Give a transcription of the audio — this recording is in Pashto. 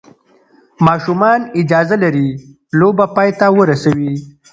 ماشومان اجازه لري لوبه پای ته ورسوي.